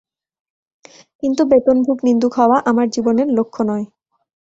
কিন্তু বেতনভুক নিন্দুক হওয়া আমার জীবনের লক্ষ্য নয়।